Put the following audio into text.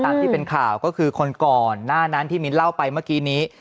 ตามที่เป็นข่าวก็คือคนก่อนหน้านั้นที่มิ้นเล่าไปเมื่อกี้นี้